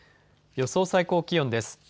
予想最高気温です。